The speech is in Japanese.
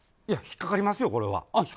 いや、引っかかりますよこれは。